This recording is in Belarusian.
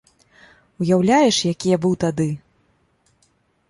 Уяўляеш, які я быў тады!